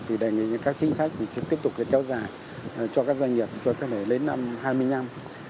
thì đề nghị những các chính sách sẽ tiếp tục kéo dài cho các doanh nghiệp cho đến năm hai mươi năm